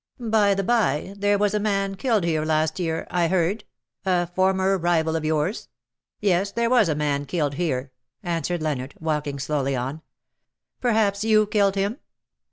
By the by there was a man killed here last year, I heard — a former rival of yours/'' " Yes, there was a man killed here," answered Leonard, walking slowly on. " Perhaps you killed him